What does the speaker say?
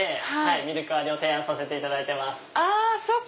ミルク割りを提案させていただいてます。